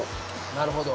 なるほど。